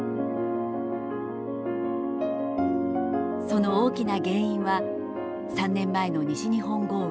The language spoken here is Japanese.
その大きな原因は３年前の西日本豪雨。